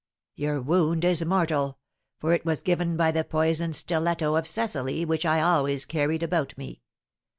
"Your wound is mortal, for it was given by the poisoned stiletto of Cecily, which I always carried about me.